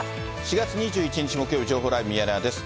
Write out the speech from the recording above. ４月２１日木曜日、情報ライブミヤネ屋です。